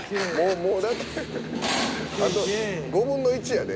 もうだってあと５分の１やで？